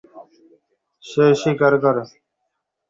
সে শিকার করে।